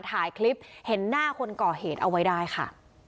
ถ่ายคลิปเห็นหน้าคนก่อเหตุเอาไว้ได้ค่ะ